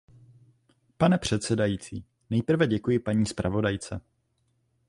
Pane předsedající, nejprve děkuji paní zpravodajce.